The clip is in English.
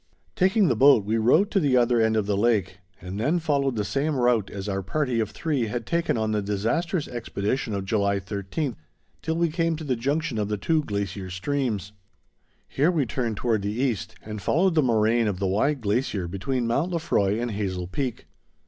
Taking the boat, we rowed to the other end of the lake, and then followed the same route as our party of three had taken on the disastrous expedition of July 13th, till we came to the junction of the two glacier streams. Here we turned toward the east, and followed the moraine of the wide glacier between Mount Lefroy and Hazel Peak.